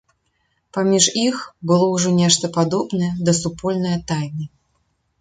Паміж іх было ўжо нешта падобнае да супольнае тайны.